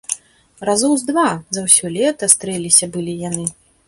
Разоў з два за ўсё лета стрэліся былі яны.